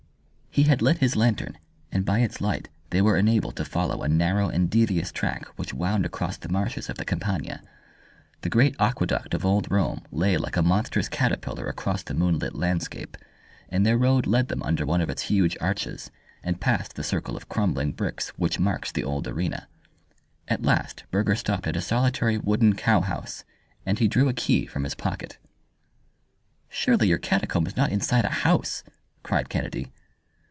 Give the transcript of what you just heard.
He had lit his lantern, and by its light they were enabled to follow a narrow and devious track which wound across the marshes of the Campagna. The great Aqueduct of old Rome lay like a monstrous caterpillar across the moonlit landscape, and their road led them under one of its huge arches, and past the circle of crumbling bricks which marks the old arena. At last Burger stopped at a solitary wooden cowhouse, and he drew a key from his pocket. "Surely your catacomb is not inside a house!" cried Kennedy.